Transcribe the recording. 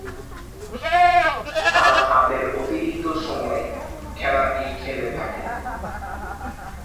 তারা তাদের অতিরিক্ত সময়ে খেলাটি খেলে থাকে।